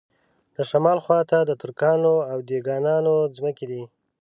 د شمال خواته د ترکانو او دېګانانو ځمکې دي.